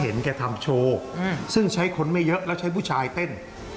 เห็นแกทำโชว์ซึ่งใช้คนไม่เยอะแล้วใช้ผู้ชายเต้น